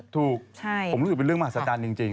ถูกผมรู้สึกเป็นเรื่องมหัศจรรย์จริง